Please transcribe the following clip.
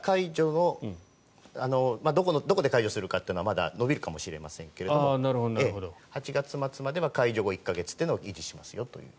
どこで解除するかっていうのはまだ延びるかもしれませんけれども８月末までは解除後１か月というのを維持しますよと。